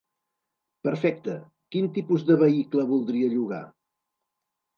Perfecte, quin tipus de vehicle voldria llogar?